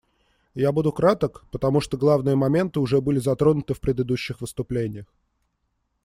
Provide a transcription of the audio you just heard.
Я буду краток, потому что главные моменты уже были затронуты в предыдущих выступлениях.